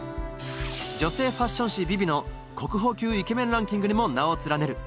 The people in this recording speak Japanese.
女性ファッション誌「ＶｉＶｉ」の国宝級イケメンランキングにも名を連ねる